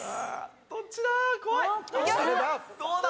どっちだ？